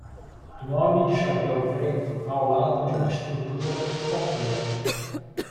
Um homem de chapéu preto ao lado de uma estrutura incompleta.